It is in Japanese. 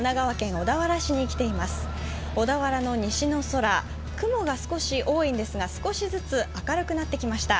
小田原の西の空、雲が少し多いんですが、少しずつ明るくなってきました。